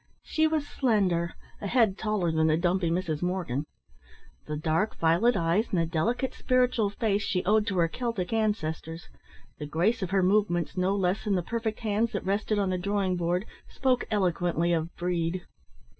She was slender, a head taller than the dumpy Mrs. Morgan. The dark violet eyes and the delicate spiritual face she owed to her Celtic ancestors, the grace of her movements, no less than the perfect hands that rested on the drawing board, spoke eloquently of breed.